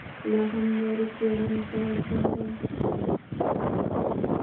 لا هم نورو څېړنو ته اړتیا ده.